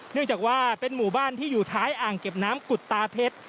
เนื่องจากว่าเป็นหมู่บ้านที่อยู่ท้ายอ่างเก็บน้ำกุฎตาเพชร